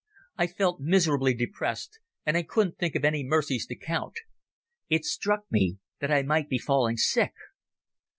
I felt miserably depressed, and I couldn't think of any mercies to count. It struck me that I might be falling sick.